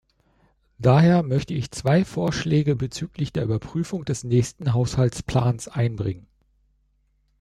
Daher möchte ich zwei Vorschläge bezüglich der Überprüfung des nächsten Haushaltsplans einbringen.